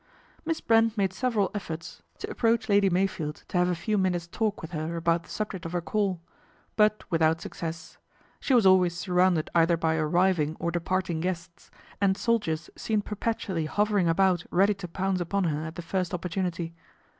Miss Brent made several efforts to approach 142 PATRICIA BRENT, SPINSTER Lady Meyfield to have a few minutes' talk with her about the subject of her call ; but without success. She was always surrounded either by arriving or departing guests, and soldiers seemed perpetually hovering about ready to pounce upon her at the first opportunity.